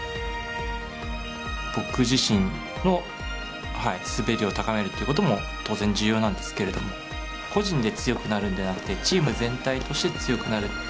僕自身の滑りを高めるっていうことも当然重要なんですけれども個人で強くなるんではなくてチーム全体として強くなる。